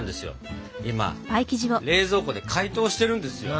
今冷蔵庫で解凍してるんですよ。